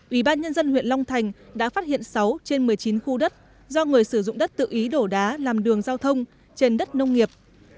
ủy ban nhân dân huyện long thành đã phát hiện sáu trên một mươi chín khu đất do người sử dụng đất tự ý đổ đá làm đường giao thông trên đất nông nghiệp